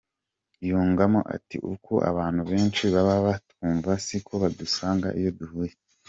Yungamo ati “Uko abantu benshi baba batwumva siko badusanga iyo duhuye .